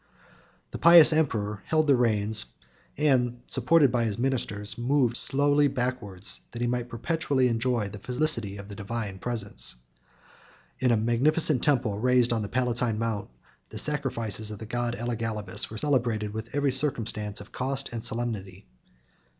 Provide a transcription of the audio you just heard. The pious emperor held the reins, and, supported by his ministers, moved slowly backwards, that he might perpetually enjoy the felicity of the divine presence. In a magnificent temple raised on the Palatine Mount, the sacrifices of the god Elagabalus were celebrated with every circumstance of cost and solemnity.